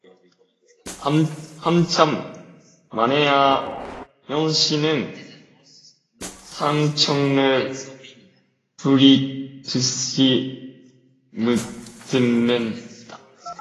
한참 만에야 영신은 딴전을 부리듯이 묻는다.